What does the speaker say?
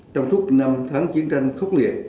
trong suốt năm tháng chiến tranh